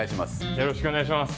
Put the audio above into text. よろしくお願いします。